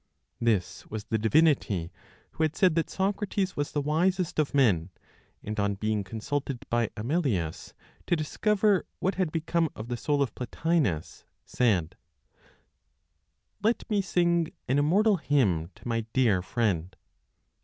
This was the divinity who had said that Socrates was the wisest of men; and on being consulted by Amelius to discover what had become of the soul of Plotinos, said: "Let me sing an immortal hymn to my dear friend!